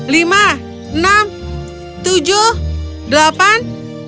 lima enam tujuh delapan